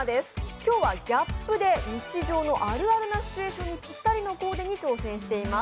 今日はＧＡＰで日常のあるあるなシチュエーションにぴったりのコーディネートに挑戦しています。